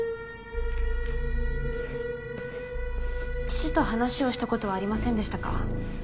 父と話をしたことはありませんでしたか？